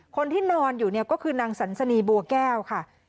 คนที่นอนอยู่เนี่ยก็คือนางสันสนีบัวแก้วค่ะ